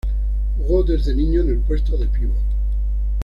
Jugó desde niño en el puesto de pívot.